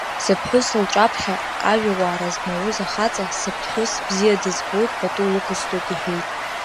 Зыԥҳәыс лҿаԥхьа, ажәауаара змауз ахаҵа, сыԥҳәыс бзиа дызбоит, пату лықәсҵоит иҳәеит.